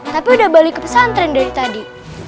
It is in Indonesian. tapi udah balik ke pesantren dari tadi